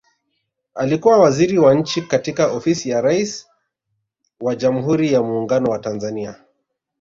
Alikuwa Waziri wa Nchi katika Ofisi ya Rais wa Jamhuri ya Muungano wa Tanzania